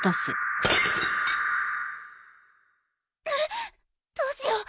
あっどうしよう。